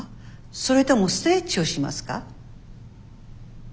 それともストレッチをしますか？